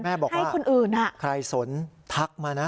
แม่บอกว่าใครสนทักมานะ